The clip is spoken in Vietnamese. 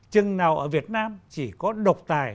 chừng nào ở việt nam chỉ có độc tài